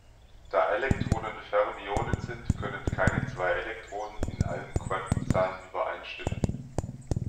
Da Elektronen Fermionen sind, können keine zwei Elektronen in allen Quantenzahlen übereinstimmen.